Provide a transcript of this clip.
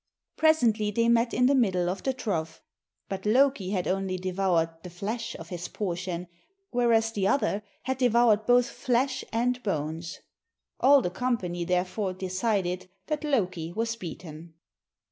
Presently they met in the middle of the trough, but Loki had only devoured the flesh of his portion, whereas the other had devoured both flesh and bones. All the company therefore decided that Loki was beaten.